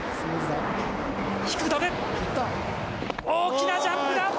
大きなジャンプだ。